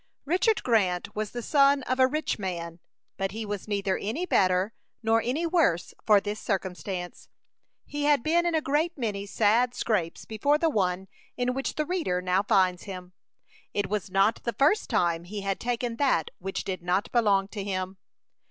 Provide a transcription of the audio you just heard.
Richard Grant was the son of a rich man, but he was neither any better nor any worse for this circumstance. He had been in a great many sad scrapes before the one in which the reader now finds him. It was not the first time he had taken that which did not belong to him.